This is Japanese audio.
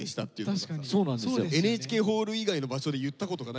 ＮＨＫホール以外の場所で言ったことがないですからね。